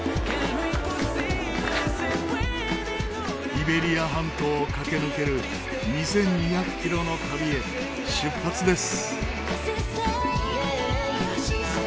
イベリア半島を駆け抜ける２２００キロの旅へ出発です。